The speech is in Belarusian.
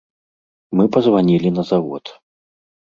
Мы пазванілі на завод.